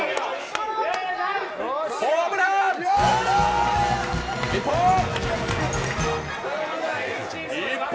ホームラン一本。